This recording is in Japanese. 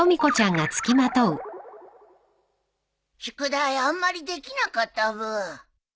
宿題あんまりできなかったブー。